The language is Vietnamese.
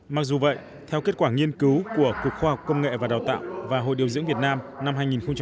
mặc dù vậy theo kết quả nghiên cứu của cục khoa học công nghệ và đào tạo và hội điều dưỡng việt nam năm hai nghìn một mươi tám